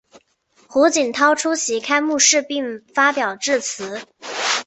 胡锦涛出席开幕式并发表致辞。